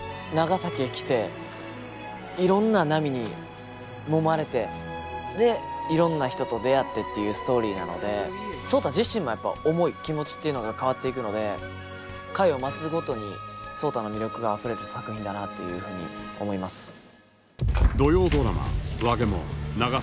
長崎へ来ていろんな波にもまれてでいろんな人と出会ってっていうストーリーなので壮多自身もやっぱ思い気持ちっていうのが変わっていくので回を増すごとに壮多の魅力があふれる作品だなというふうに思います。